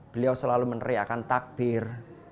beliau selalu meneriakan takbir